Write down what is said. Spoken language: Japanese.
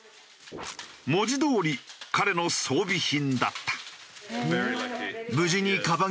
文字どおり彼の装備品だった。